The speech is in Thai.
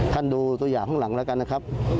ดูตัวอย่างข้างหลังแล้วกันนะครับ